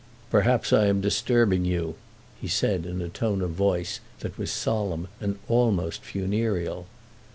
"Perhaps I am disturbing you," he said in a tone of voice that was solemn and almost funereal.